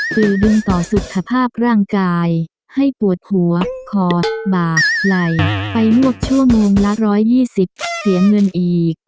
คือดึงต่อสุขภาพร่างกายให้ปวดหัวคอบากไหลไปลวกชั่วโมงละ๑๒๐เสียเงินอีก